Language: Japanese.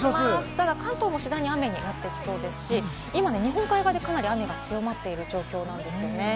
ただ関東も次第に雨になってきそうですし、今ね、日本海側でかなり雨が強まっている状況なんですよね。